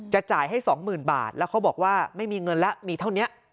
จ่ายให้๒๐๐๐บาทแล้วเขาบอกว่าไม่มีเงินแล้วมีเท่านี้